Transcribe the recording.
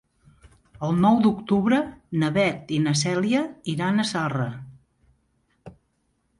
El nou d'octubre na Beth i na Cèlia iran a Zarra.